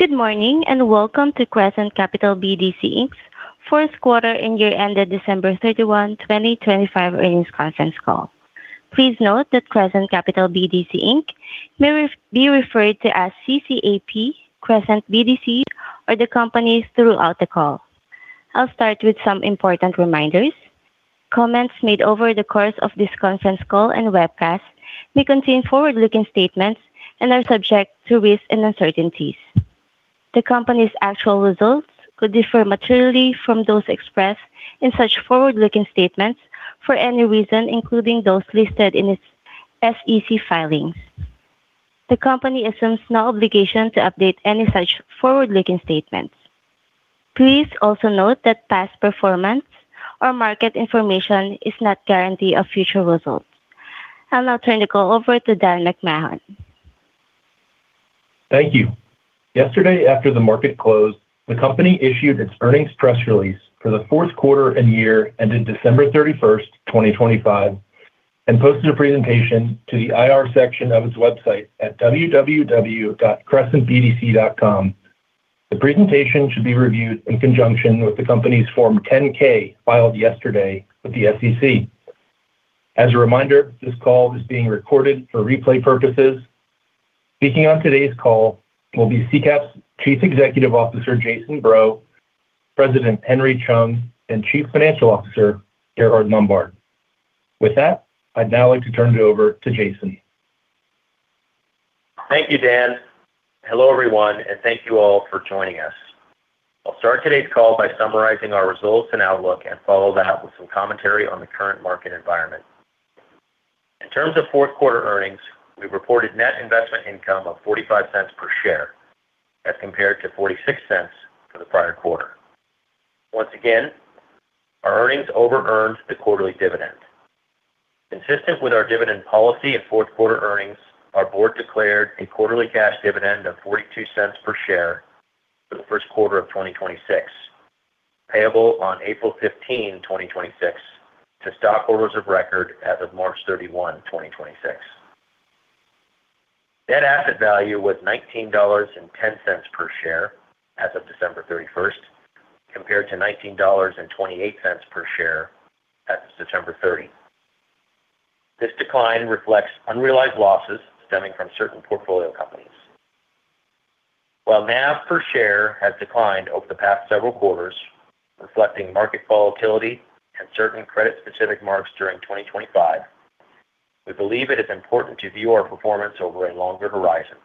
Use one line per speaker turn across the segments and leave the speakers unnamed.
Good morning, welcome to Crescent Capital BDC, Inc.'s Fourth Quarter and Year-Ended December 31, 2025 Earnings Conference call. Please note that Crescent Capital BDC, Inc. may be referred to as CCAP, Crescent BDC, or the companies throughout the call. I'll start with some important reminders. Comments made over the course of this conference call and webcast may contain forward-looking statements and are subject to risks and uncertainties. The company's actual results could differ materially from those expressed in such forward-looking statements for any reason, including those listed in its SEC filings. The company assumes no obligation to update any such forward-looking statements. Please also note that past performance or market information is not guarantee of future results. I'll now turn the call over to Dan McMahon.
Thank you. Yesterday, after the market closed, the company issued its earnings press release for the fourth quarter and year ended December 31st, 2025, and posted a presentation to the IR section of its website at www.crescentbdc.com. The presentation should be reviewed in conjunction with the company's Form 10-K, filed yesterday with the SEC. As a reminder, this call is being recorded for replay purposes. Speaking on today's call will be CCAP's Chief Executive Officer, Jason Breaux, President Henry Chung, and Chief Financial Officer, Gerhard Lombard. With that, I'd now like to turn it over to Jason.
Thank you, Dan. Hello, everyone, and thank you all for joining us. I'll start today's call by summarizing our results and outlook and follow that with some commentary on the current market environment. In terms of fourth quarter earnings, we reported net investment income of $0.45 per share as compared to $0.46 for the prior quarter. Once again, our earnings over-earned the quarterly dividend. Consistent with our dividend policy and fourth quarter earnings, our board declared a quarterly cash dividend of $0.42 per share for the first quarter of 2026, payable on April 15, 2026, to stockholders of record as of March 31, 2026. Net asset value was $19.10 per share as of December 31st, compared to $19.28 per share as of September 30. This decline reflects unrealized losses stemming from certain portfolio companies. While NAV per share has declined over the past several quarters, reflecting market volatility and certain credit-specific marks during 2025, we believe it is important to view our performance over a longer horizon.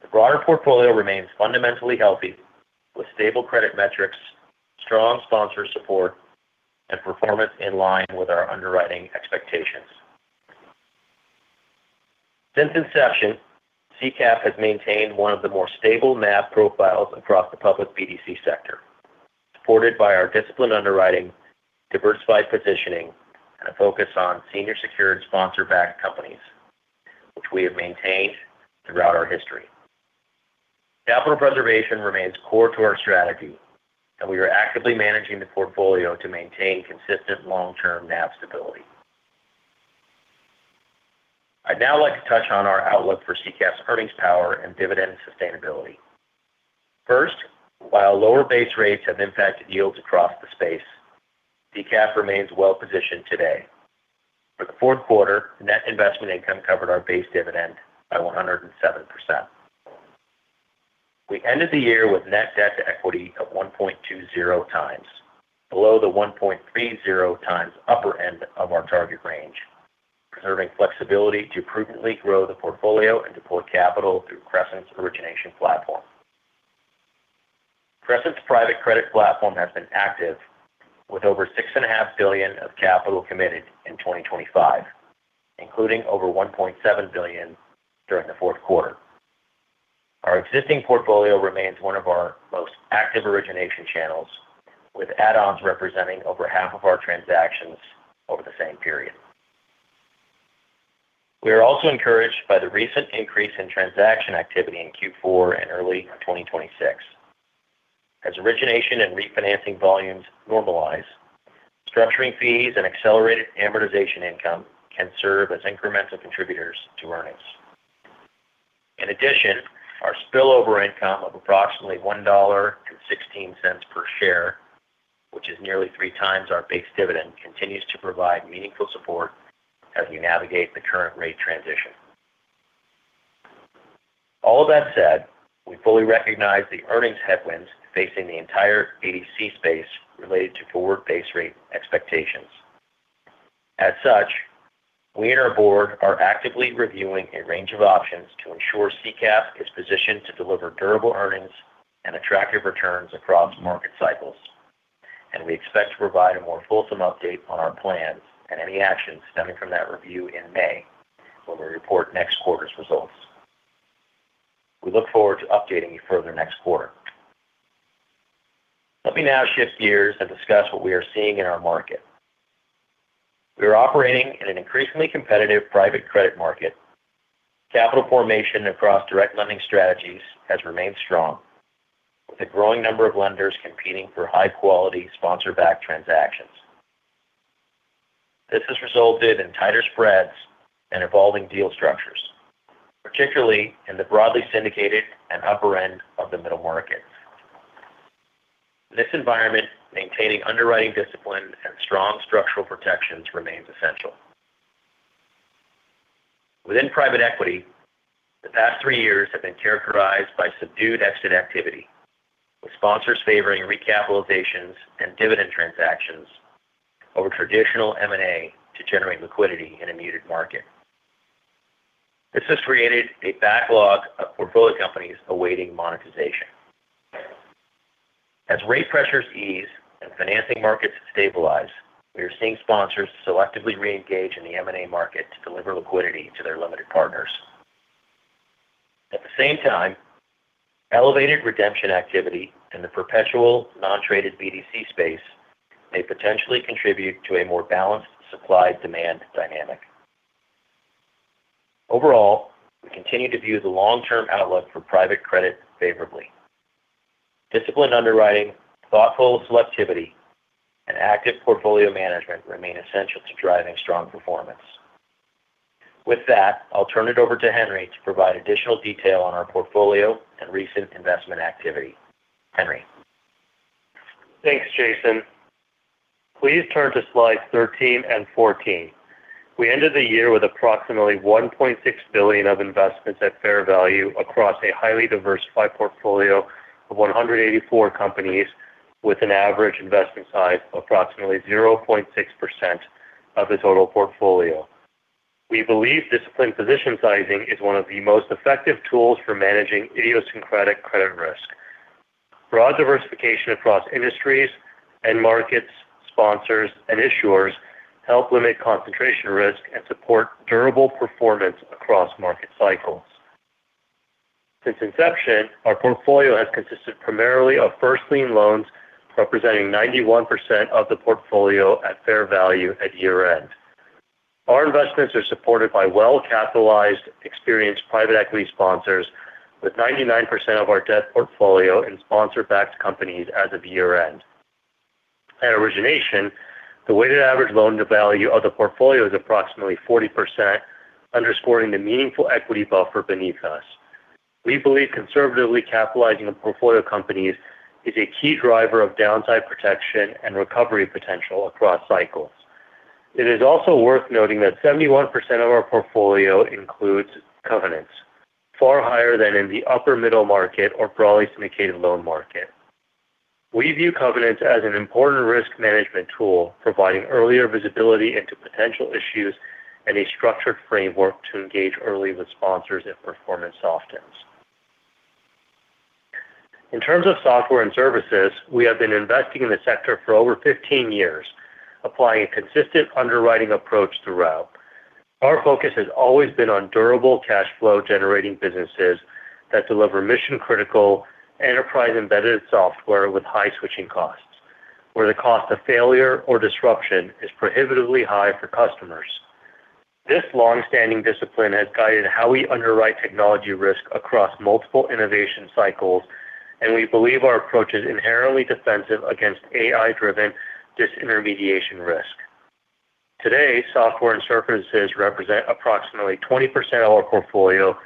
The broader portfolio remains fundamentally healthy, with stable credit metrics, strong sponsor support, and performance in line with our underwriting expectations. Since inception, CCAP has maintained one of the more stable NAV profiles across the public BDC sector, supported by our disciplined underwriting, diversified positioning, and a focus on senior secured sponsor-backed companies, which we have maintained throughout our history. Capital preservation remains core to our strategy, and we are actively managing the portfolio to maintain consistent long-term NAV stability. I'd now like to touch on our outlook for CCAP's earnings power and dividend sustainability. First, while lower base rates have impacted yields across the space, CCAP remains well-positioned today. For the fourth quarter, net investment income covered our base dividend by 107%. We ended the year with net debt to equity of 1.20x, below the 1.30x upper end of our target range, preserving flexibility to prudently grow the portfolio and deploy capital through Crescent's origination platform. Crescent's private credit platform has been active with over $6.5 billion of capital committed in 2025, including over $1.7 billion during the fourth quarter. Our existing portfolio remains one of our most active origination channels, with add-ons representing over half of our transactions over the same period. We are also encouraged by the recent increase in transaction activity in Q4 and early 2026. As origination and refinancing volumes normalize, structuring fees and accelerated amortization income can serve as incremental contributors to earnings. In addition, our spillover income of approximately $1.16 per share, which is nearly 3x our base dividend, continues to provide meaningful support as we navigate the current rate transition. All of that said, we fully recognize the earnings headwinds facing the entire BDC space related to forward base rate expectations. As such, we and our board are actively reviewing a range of options to ensure CCAP is positioned to deliver durable earnings and attractive returns across market cycles. We expect to provide a more fulsome update on our plans and any actions stemming from that review in May, when we report next quarter's results. We look forward to updating you further next quarter. Let me now shift gears and discuss what we are seeing in our market. We are operating in an increasingly competitive private credit market. Capital formation across direct lending strategies has remained strong, with a growing number of lenders competing for high-quality sponsor-backed transactions. This has resulted in tighter spreads and evolving deal structures, particularly in the broadly syndicated and upper end of the middle market. In this environment, maintaining underwriting discipline and strong structural protections remains essential. Within private equity, the past three years have been characterized by subdued exit activity, with sponsors favoring recapitalizations and dividend transactions over traditional M&A to generate liquidity in a muted market. This has created a backlog of portfolio companies awaiting monetization. As rate pressures ease and financing markets stabilize, we are seeing sponsors selectively reengage in the M&A market to deliver liquidity to their limited partners. At the same time, elevated redemption activity in the perpetual non-traded BDC space may potentially contribute to a more balanced supply-demand dynamic. Overall, we continue to view the long-term outlook for private credit favorably. Disciplined underwriting, thoughtful selectivity, and active portfolio management remain essential to driving strong performance. With that, I'll turn it over to Henry to provide additional detail on our portfolio and recent investment activity. Henry?
Thanks, Jason. Please turn to slides 13 and 14. We ended the year with approximately $1.6 billion of investments at fair value across a highly diversified portfolio of 184 companies, with an average investment size of approximately 0.6% of the total portfolio. We believe disciplined position sizing is one of the most effective tools for managing idiosyncratic credit risk. Broad diversification across industries and markets, sponsors, and issuers help limit concentration risk and support durable performance across market cycles. Since inception, our portfolio has consisted primarily of first lien loans, representing 91% of the portfolio at fair value at year-end. Our investments are supported by well-capitalized, experienced private equity sponsors, with 99% of our debt portfolio in sponsor-backed companies as of year-end. At origination, the weighted average loan to value of the portfolio is approximately 40%, underscoring the meaningful equity buffer beneath us. We believe conservatively capitalizing the portfolio companies is a key driver of downside protection and recovery potential across cycles. It is also worth noting that 71% of our portfolio includes covenants, far higher than in the upper middle market or broadly syndicated loan market. We view covenants as an important risk management tool, providing earlier visibility into potential issues and a structured framework to engage early with sponsors if performance softens. In terms of software and services, we have been investing in the sector for over 15 years, applying a consistent underwriting approach throughout. Our focus has always been on durable cash flow-generating businesses that deliver mission-critical, enterprise-embedded software with high switching costs, where the cost of failure or disruption is prohibitively high for customers. This long-standing discipline has guided how we underwrite technology risk across multiple innovation cycles, and we believe our approach is inherently defensive against AI-driven disintermediation risk. Today, software and services represent approximately 20% of our portfolio,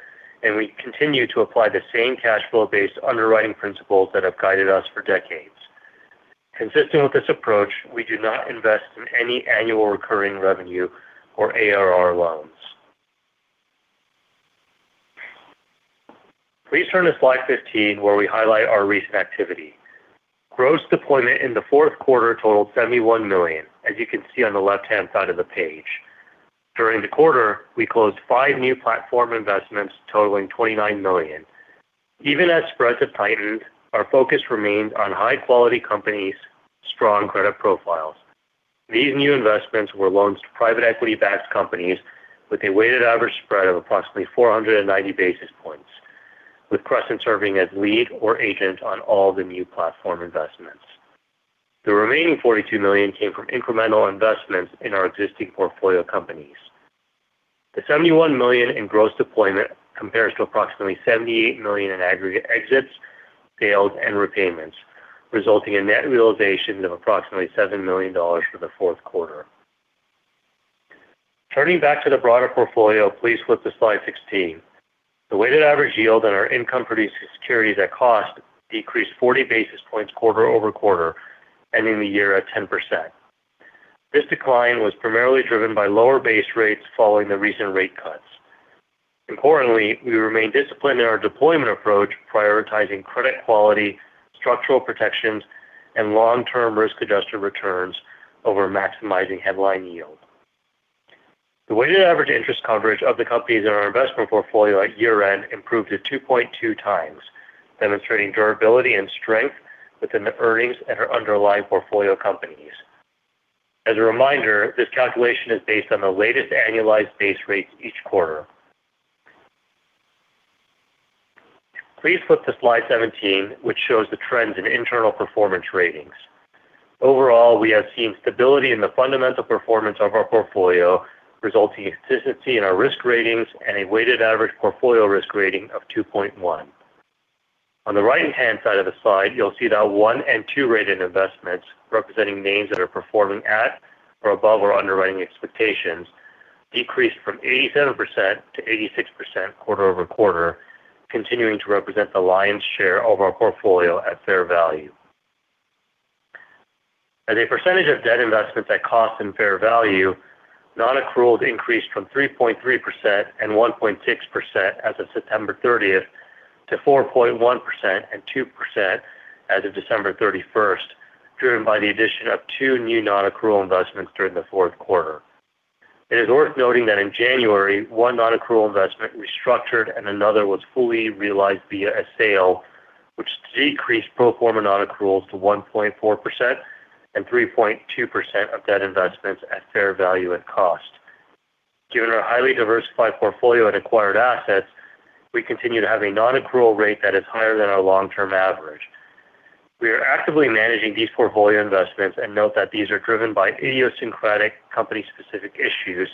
and we continue to apply the same cash flow-based underwriting principles that have guided us for decades. Consistent with this approach, we do not invest in any annual recurring revenue or ARR loans. Please turn to slide 15, where we highlight our recent activity. Gross deployment in the fourth quarter totaled $71 million, as you can see on the left-hand side of the page. During the quarter, we closed 5 new platform investments totaling $29 million. Even as spreads have tightened, our focus remains on high-quality companies, strong credit profiles. These new investments were loans to private equity-backed companies with a weighted average spread of approximately 490 basis points, with Crescent serving as lead or agent on all the new platform investments. The remaining $42 million came from incremental investments in our existing portfolio companies. The $71 million in gross deployment compares to approximately $78 million in aggregate exits, sales, and repayments, resulting in net realizations of approximately $7 million for the fourth quarter. Turning back to the broader portfolio, please flip to slide 16. The weighted average yield on our income-producing securities at cost decreased 40 basis points quarter-over-quarter, ending the year at 10%. This decline was primarily driven by lower base rates following the recent rate cuts. Importantly, we remain disciplined in our deployment approach, prioritizing credit quality, structural protections, and long-term risk-adjusted returns over maximizing headline yield. The weighted average interest coverage of the companies in our investment portfolio at year-end improved to 2.2x, demonstrating durability and strength within the earnings and our underlying portfolio companies. As a reminder, this calculation is based on the latest annualized base rates each quarter. Please flip to slide 17, which shows the trends in internal performance ratings. Overall, we have seen stability in the fundamental performance of our portfolio, resulting in consistency in our risk ratings and a weighted average portfolio risk rating of 2.1. On the right-hand side of the slide, you'll see that one and two-rated investments, representing names that are performing at or above our underwriting expectations, decreased from 87% to 86% quarter-over-quarter, continuing to represent the lion's share of our portfolio at fair value. As a percentage of debt investments at cost and fair value, non-accruals increased from 3.3% and 1.6% as of September 30th to 4.1% and 2% as of December 31st, driven by the addition of two new non-accrual investments during the fourth quarter. It is worth noting that in January, one non-accrual investment restructured and another was fully realized via a sale, which decreased pro forma non-accruals to 1.4% and 3.2% of debt investments at fair value at cost. Given our highly diversified portfolio and acquired assets, we continue to have a non-accrual rate that is higher than our long-term average. We are actively managing these portfolio investments and note that these are driven by idiosyncratic company-specific issues.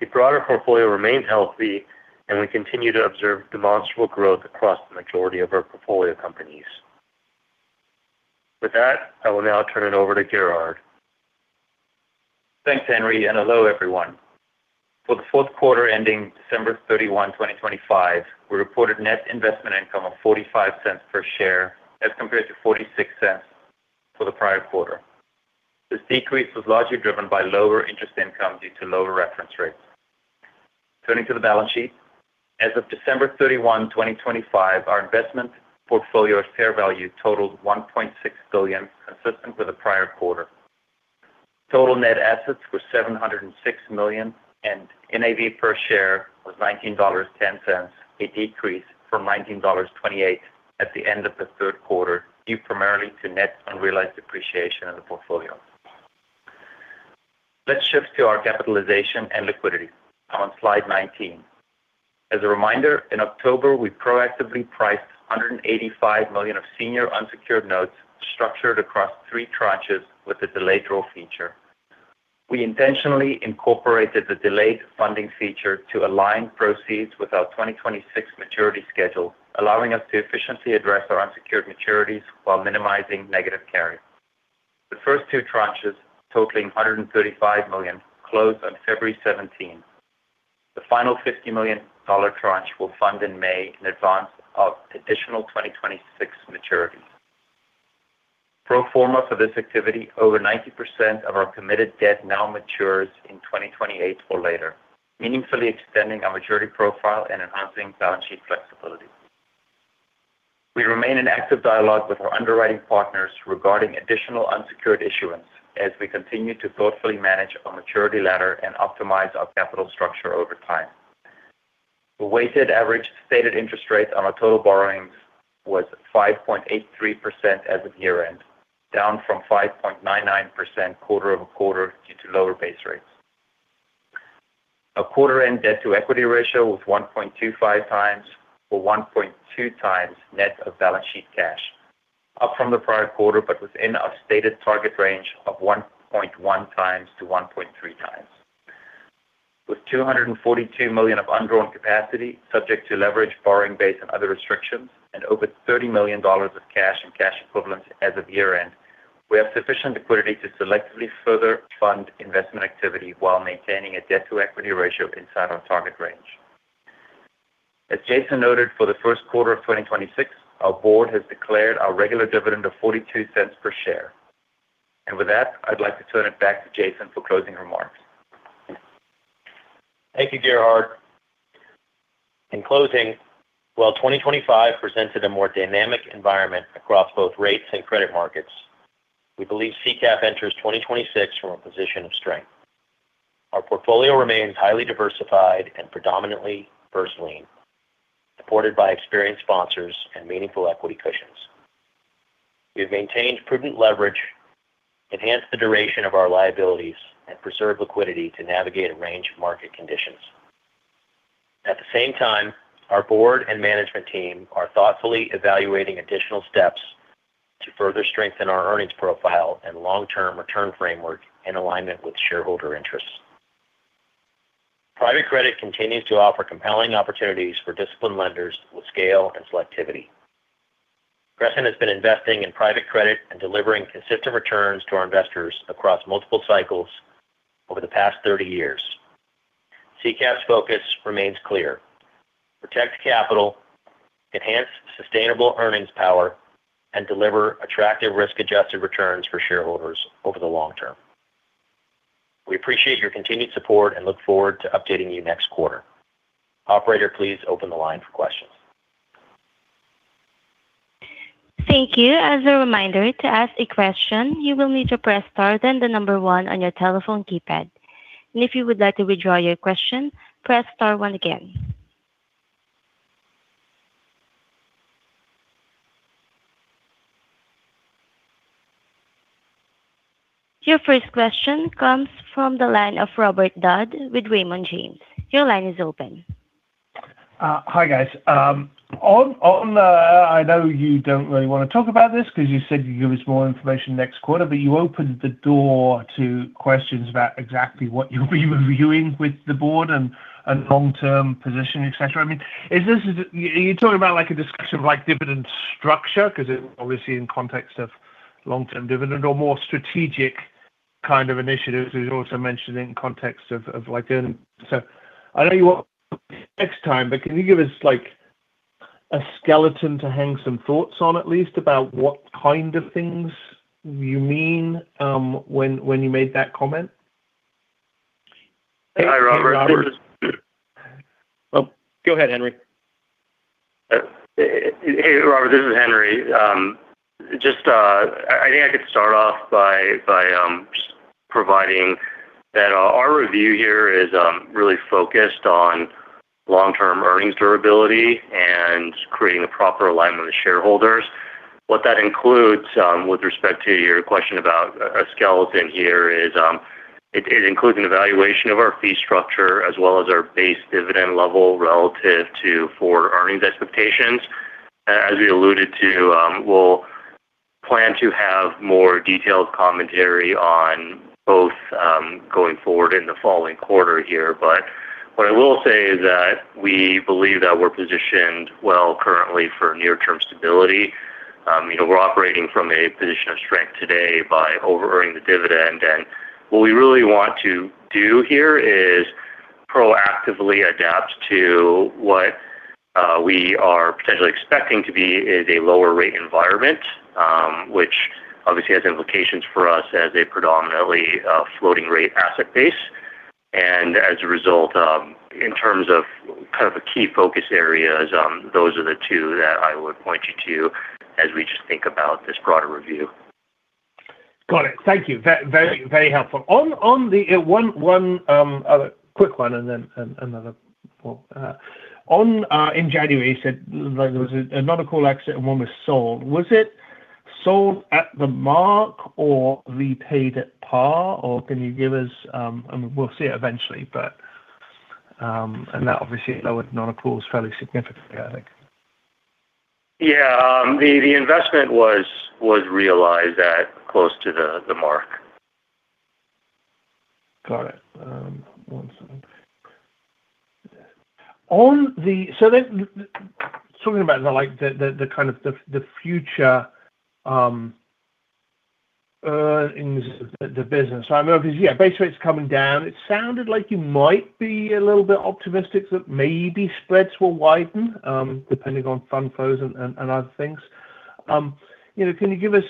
The broader portfolio remains healthy. We continue to observe demonstrable growth across the majority of our portfolio companies. With that, I will now turn it over to Gerhard.
Thanks, Henry. Hello, everyone. For the fourth quarter ending December 31, 2025, we reported net investment income of $0.45 per share, as compared to $0.46 for the prior quarter. This decrease was largely driven by lower interest income due to lower reference rates. Turning to the balance sheet. As of December 31, 2025, our investment portfolio of fair value totaled $1.6 billion, consistent with the prior quarter. Total net assets were $706 million, and NAV per share was $19.10, a decrease from $19.28 at the end of the third quarter, due primarily to net unrealized appreciation in the portfolio. Let's shift to our capitalization and liquidity on slide 19. As a reminder, in October, we proactively priced $185 million of senior unsecured notes structured across three tranches with a delayed draw feature. We intentionally incorporated the delayed funding feature to align proceeds with our 2026 maturity schedule, allowing us to efficiently address our unsecured maturities while minimizing negative carry. The first two tranches, totaling $135 million, closed on February 17th. The final $50 million tranche will fund in May in advance of additional 2026 maturities. Pro forma for this activity, over 90% of our committed debt now matures in 2028 or later, meaningfully extending our maturity profile and enhancing balance sheet flexibility. We remain in active dialogue with our underwriting partners regarding additional unsecured issuance as we continue to thoughtfully manage our maturity ladder and optimize our capital structure over time. The weighted average stated interest rate on our total borrowings was 5.83% as of year-end, down from 5.99% quarter-over-quarter due to lower base rates. Our quarter-end debt-to-equity ratio was 1.25x, or 1.2x net of balance sheet cash, up from the prior quarter, but within our stated target range of 1.1x-1.3x. With 242 million of undrawn capacity, subject to leverage, borrowing base, and other restrictions, and over $30 million of cash and cash equivalents as of year-end, we have sufficient liquidity to selectively further fund investment activity while maintaining a debt-to-equity ratio inside our target range. As Jason noted, for the first quarter of 2026, our board has declared our regular dividend of $0.42 per share. With that, I'd like to turn it back to Jason for closing remarks.
Thank you, Gerhard. In closing, while 2025 presented a more dynamic environment across both rates and credit markets, we believe CCAP enters 2026 from a position of strength. Our portfolio remains highly diversified and predominantly first lien, supported by experienced sponsors and meaningful equity cushions. We have maintained prudent leverage, enhanced the duration of our liabilities, and preserved liquidity to navigate a range of market conditions. At the same time, our board and management team are thoughtfully evaluating additional steps to further strengthen our earnings profile and long-term return framework in alignment with shareholder interests. Private credit continues to offer compelling opportunities for disciplined lenders with scale and selectivity. Crescent has been investing in private credit and delivering consistent returns to our investors across multiple cycles over the past 30 years. CCAP's focus remains clear: protect capital, enhance sustainable earnings power, and deliver attractive risk-adjusted returns for shareholders over the long term. We appreciate your continued support and look forward to updating you next quarter. Operator, please open the line for questions.
Thank you. As a reminder, to ask a question, you will need to press star, then one on your telephone keypad. If you would like to withdraw your question, press star one again. Your first question comes from the line of Robert Dodd with Raymond James. Your line is open.
Hi, guys. On, I know you don't really want to talk about this because you said you'd give us more information next quarter, but you opened the door to questions about exactly what you'll be reviewing with the board and long-term positioning, et cetera. I mean, are you talking about, like, a discussion of, like, dividend structure? It obviously in context of long-term dividend or more strategic kind of initiatives is also mentioned in context of like in. I know you want next time, but can you give us like a skeleton to hang some thoughts on, at least about what kind of things you mean, when you made that comment?
Hi, Robert.
Well, go ahead, Henry.
Hey, Robert, this is Henry. I think I could start off by providing that our review here is really focused on long-term earnings durability and creating a proper alignment with shareholders. What that includes, with respect to your question about a skeleton here, is it includes an evaluation of our fee structure as well as our base dividend level relative to forward earnings expectations. As we alluded to, we'll plan to have more detailed commentary on both going forward in the following quarter here. What I will say is that we believe that we're positioned well currently for near-term stability. You know, we're operating from a position of strength today by overearning the dividend. What we really want to do here is proactively adapt to what we are potentially expecting to be is a lower rate environment, which obviously has implications for us as a predominantly floating rate asset base. As a result, in terms of kind of a key focus areas, those are the two that I would point you to as we just think about this broader review.
Got it. Thank you. Very, very helpful. On the one other quick one, and then, another for. On in January, you said there was a non-accrual exit and one was sold. Was it sold at the mark or repaid at par, or can you give us? We'll see it eventually, but, and that obviously lowered non-accruals fairly significantly, I think.
Yeah. The, the investment was realized at close to the mark.
Got it. One second. Talking about the, like, the kind of the future earnings of the business. I know, because, yeah, basically it's coming down. It sounded like you might be a little bit optimistic that maybe spreads will widen, depending on fund flows and other things. You know, can you give us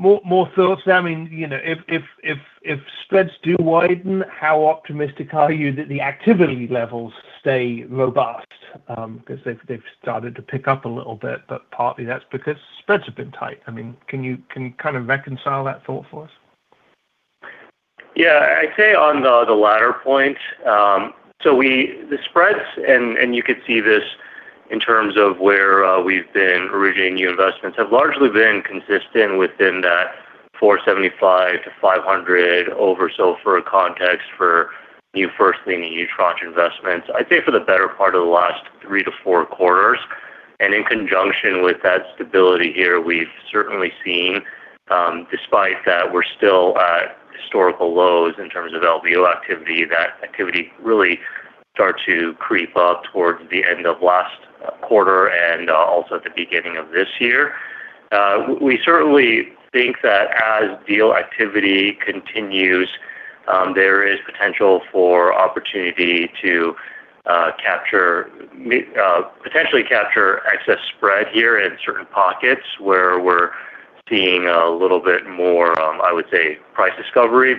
more thoughts? I mean, you know, if spreads do widen, how optimistic are you that the activity levels stay robust? 'Cause they've started to pick up a little bit, but partly that's because spreads have been tight. I mean, can you kind of reconcile that thought for us?
Yeah. I'd say on the latter point, The spreads, and you could see this in terms of where we've been originating new investments, have largely been consistent within that 475 - 500 SOFR for context for new first lien, new tranche investments, I'd say, for the better part of the last three to four quarters. In conjunction with that stability here, we've certainly seen, despite that, we're still at historical lows in terms of LBO activity. That activity really start to creep up towards the end of last quarter and also at the beginning of this year. We certainly think that as deal activity continues, there is potential for opportunity to capture potentially capture excess spread here in certain pockets where we're seeing a little bit more, I would say, price discovery.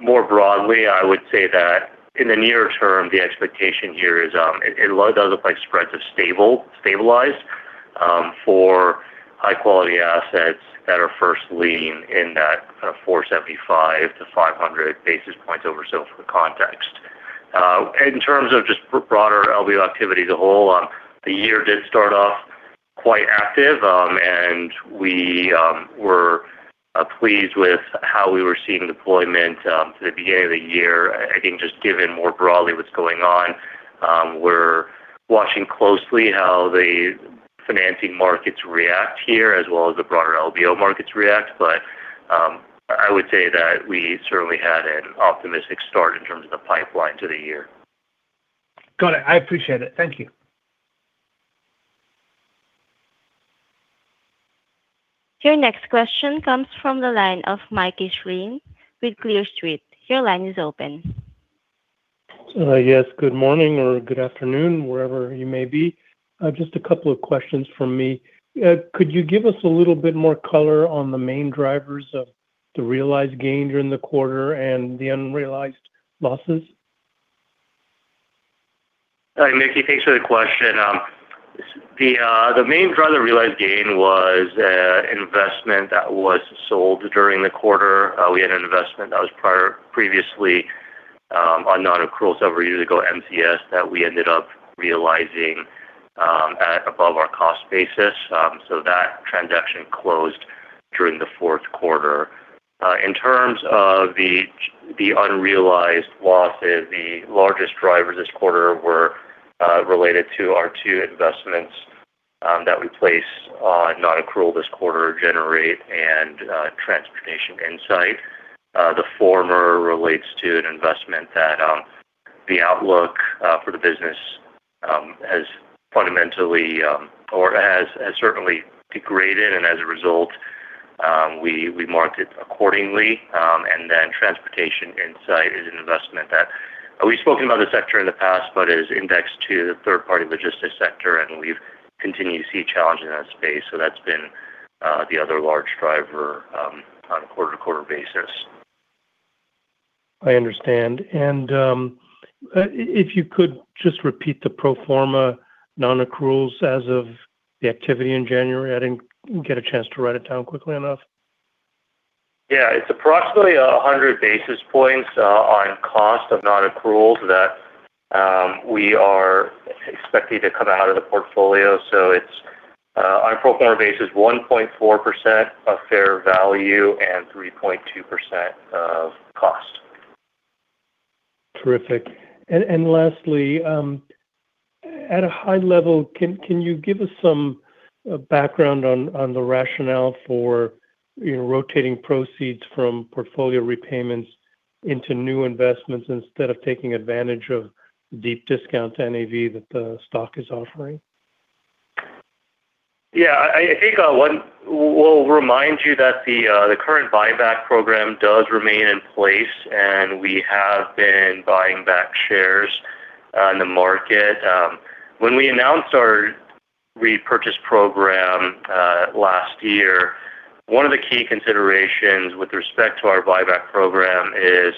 More broadly, I would say that in the near term, the expectation here is, it does look like spreads are stable, stabilized, for high-quality assets that are first lien in that kind of 475-500 basis points over SOFR for context. In terms of just broader LBO activity as a whole, the year did start off quite active. We were pleased with how we were seeing deployment to the beginning of the year. I think just given more broadly what's going on, we're watching closely how the financing markets react here, as well as the broader LBO markets react. I would say that we certainly had an optimistic start in terms of the pipeline to the year.
Got it. I appreciate it. Thank you.
Your next question comes from the line of Mickey Schleien with Clear Street. Your line is open.
Yes, good morning or good afternoon, wherever you may be. Just a couple of questions from me. Could you give us a little bit more color on the main drivers of the realized gain during the quarter and the unrealized losses?
Hi, Mickey. Thanks for the question. The main driver realized gain was a investment that was sold during the quarter. We had an investment that was previously on non-accruals over a years ago, MCS, that we ended up realizing at above our cost basis. That transaction closed during the fourth quarter. In terms of the unrealized losses, the largest drivers this quarter were related to our two investments that we placed on non-accrual this quarter, Generate and Transportation Insight. The former relates to an investment that the outlook for the business mentally or has certainly degraded, and as a result, we marked it accordingly. Then Transportation Insight is an investment that we've spoken about the sector in the past, but it is indexed to the third-party logistics sector, and we've continued to see challenges in that space. That's been the other large driver on a quarter-to-quarter basis.
I understand. If you could just repeat the pro forma non-accruals as of the activity in January. I didn't get a chance to write it down quickly enough.
Yeah. It's approximately 100 basis points on cost of non-accruals that we are expecting to come out of the portfolio. It's on a pro forma basis, 1.4% of fair value and 3.2% of cost.
Terrific. Lastly, at a high level, can you give us some background on the rationale for, you know, rotating proceeds from portfolio repayments into new investments instead of taking advantage of deep discount to NAV that the stock is offering?
Yeah, I think, one, we'll remind you that the current buyback program does remain in place, and we have been buying back shares on the market. When we announced our repurchase program, last year, one of the key considerations with respect to our buyback program is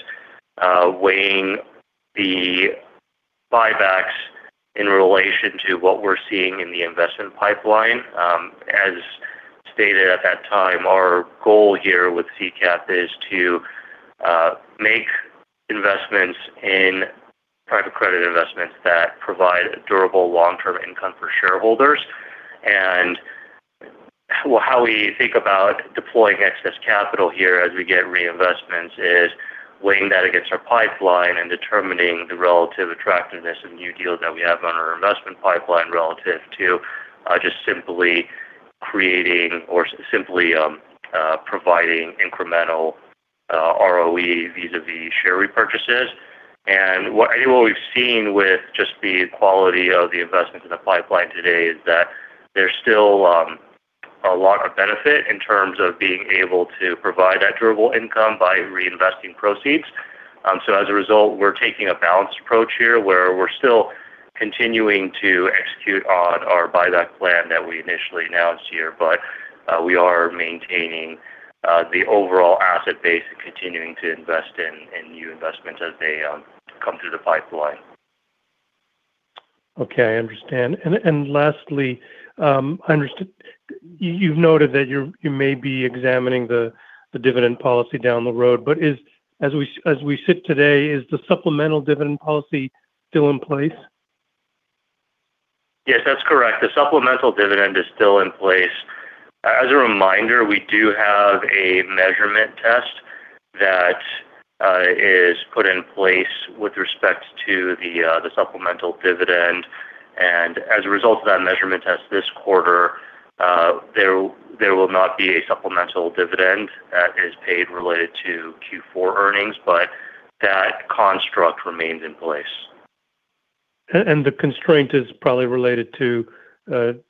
weighing the buybacks in relation to what we're seeing in the investment pipeline. As stated at that time, our goal here with CCAP is to make investments in private credit investments that provide durable, long-term income for shareholders. Well, how we think about deploying excess capital here as we get reinvestments is weighing that against our pipeline and determining the relative attractiveness of new deals that we have on our investment pipeline, relative to just simply creating or simply providing incremental ROE vis-a-vis share repurchases. I think what we've seen with just the quality of the investments in the pipeline today is that there's still a lot of benefit in terms of being able to provide that durable income by reinvesting proceeds. As a result, we're taking a balanced approach here, where we're still continuing to execute on our buyback plan that we initially announced here, but we are maintaining the overall asset base and continuing to invest in new investments as they come through the pipeline.
Okay, I understand. Lastly, You've noted that you're, you may be examining the dividend policy down the road, but as we sit today, is the supplemental dividend policy still in place?
Yes, that's correct. The supplemental dividend is still in place. As a reminder, we do have a measurement test that is put in place with respect to the the supplemental dividend, and as a result of that measurement test this quarter, there will not be a supplemental dividend that is paid related to Q4 earnings, but that construct remains in place.
The constraint is probably related to,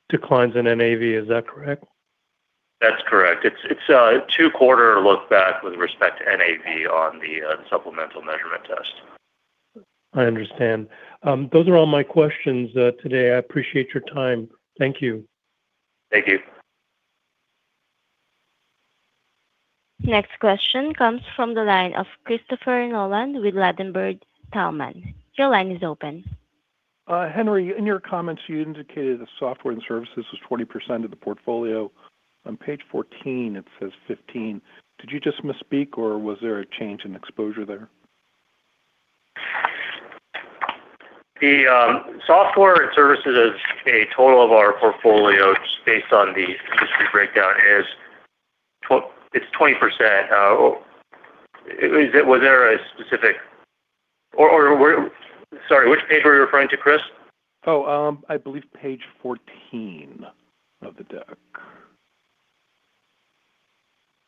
declines in NAV. Is that correct?
That's correct. It's a 2-quarter look-back with respect to NAV on the supplemental measurement test.
I understand. Those are all my questions today. I appreciate your time. Thank you.
Thank you.
Next question comes from the line of Christopher Nolan with Ladenburg Thalmann. Your line is open.
Henry, in your comments, you indicated the software and services was 20% of the portfolio. On page 14, it says 15. Did you just misspeak, or was there a change in exposure there?
The software and services as a total of our portfolio, just based on the industry breakdown, It's 20%. was there a specific Or where... Sorry, which page were you referring to, Chris?
Oh, I believe page 14 of the deck.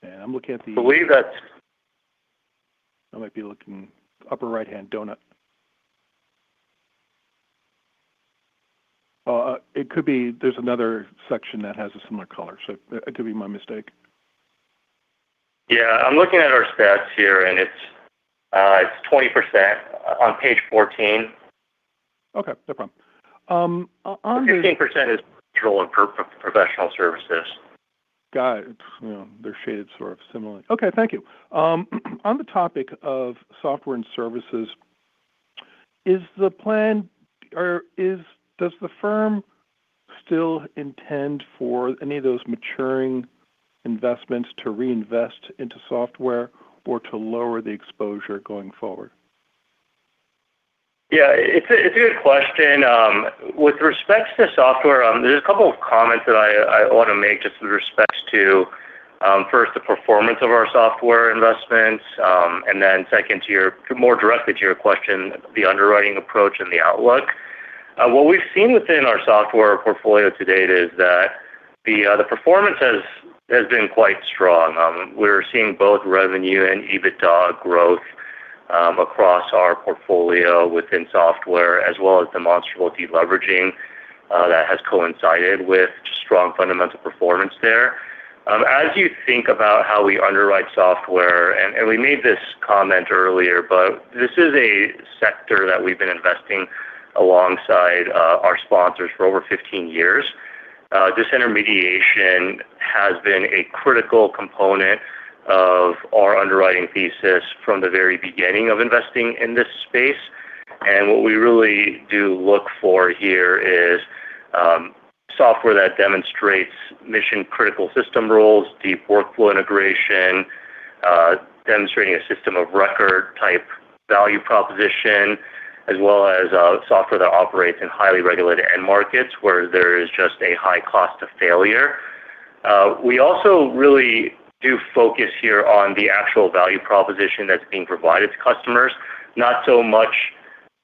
I'm looking at.
I believe.
I might be looking upper right-hand donut. It could be there's another section that has a similar color, so it could be my mistake.
Yeah. I'm looking at our stats here, and it's 20% on page 14.
Okay, no problem.
15% is total of professional services.
Got it. You know, they're shaded sort of similarly. Okay, thank you. On the topic of software and services, does the firm still intend for any of those maturing investments to reinvest into software or to lower the exposure going forward?
Yeah, it's a good question. With respects to software, there's a couple of comments that I want to make, just with respects to first, the performance of our software investments. Second, more directly to your question, the underwriting approach and the outlook. What we've seen within our software portfolio to date is that the performance has been quite strong. We're seeing both revenue and EBITDA growth. Across our portfolio within software, as well as demonstrable deleveraging that has coincided with just strong fundamental performance there. As you think about how we underwrite software, and we made this comment earlier, but this is a sector that we've been investing alongside our sponsors for over 15 years. This intermediation has been a critical component of our underwriting thesis from the very beginning of investing in this space. What we really do look for here is software that demonstrates mission-critical system roles, deep workflow integration, demonstrating a system of record type value proposition, as well as software that operates in highly regulated end markets where there is just a high cost of failure. We also really do focus here on the actual value proposition that's being provided to customers, not so much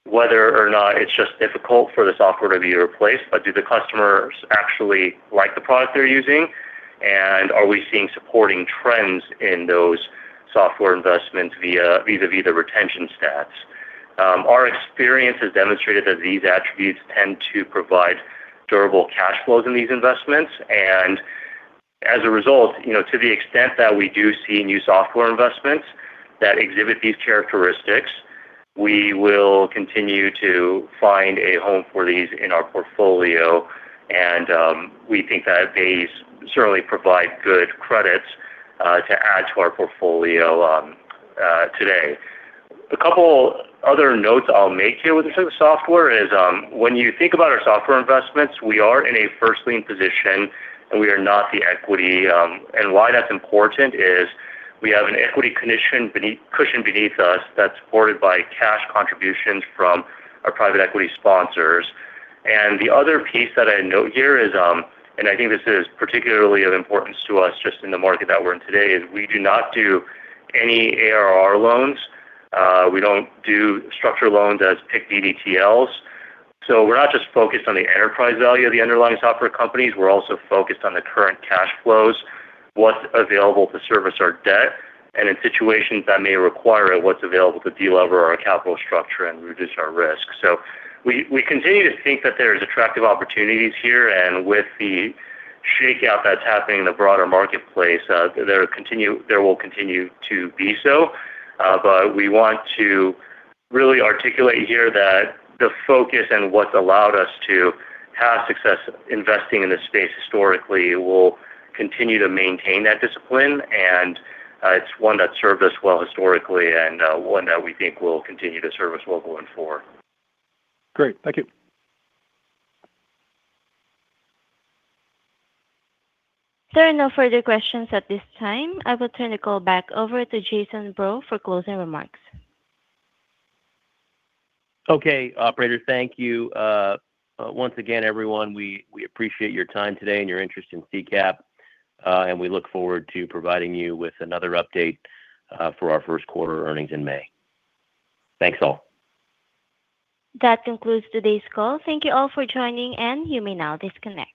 whether or not it's just difficult for the software to be replaced, but do the customers actually like the product they're using? Are we seeing supporting trends in those software investments via, vis-a-vis the retention stats? Our experience has demonstrated that these attributes tend to provide durable cash flows in these investments. As a result, you know, to the extent that we do see new software investments that exhibit these characteristics, we will continue to find a home for these in our portfolio. We think that they certainly provide good credits to add to our portfolio today. A couple other notes I'll make here with the software is, when you think about our software investments, we are in a first lien position, and we are not the equity. Why that's important is we have an equity cushion beneath us that's supported by cash contributions from our private equity sponsors. The other piece that I note here is I think this is particularly of importance to us, just in the market that we're in today, is we do not do any ARR loans. We don't do structured loans as PIK DDTLs. We're not just focused on the enterprise value of the underlying software companies, we're also focused on the current cash flows, what's available to service our debt, and in situations that may require it, what's available to delever our capital structure and reduce our risk. We continue to think that there is attractive opportunities here, and with the shakeout that's happening in the broader marketplace, there will continue to be so. We want to really articulate here that the focus and what's allowed us to have success investing in this space historically, we'll continue to maintain that discipline, and it's one that's served us well historically and one that we think will continue to serve us well going forward.
Great. Thank you.
There are no further questions at this time. I will turn the call back over to Jason Breaux for closing remarks.
Okay, operator, thank you. Once again, everyone, we appreciate your time today and your interest in CCAP, and we look forward to providing you with another update for our first quarter earnings in May. Thanks, all.
That concludes today's call. Thank you all for joining. You may now disconnect.